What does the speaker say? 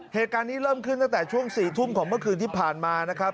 เหตุการณ์นี้เริ่มขึ้นตั้งแต่ช่วง๔ทุ่มของเมื่อคืนที่ผ่านมานะครับ